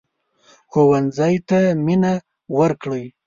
ښوونځی ته مينه ورکړئ